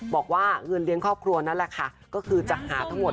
บอกว่าเงินเลี้ยงครอบครัวนั่นแหละค่ะก็คือจะหาทั้งหมด